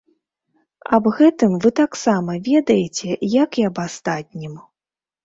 Аб гэтым вы таксама ведаеце, як і аб астатнім.